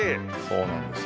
そうなんですよ。